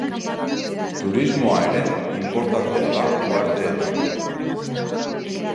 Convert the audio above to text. Turismoa ere inportantea da uharteetan.